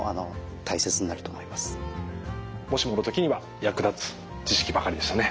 もしもの時には役立つ知識ばかりでしたね。